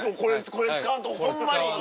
これ使わんとホンマに。